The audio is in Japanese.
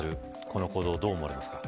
この行動、どう思われますか。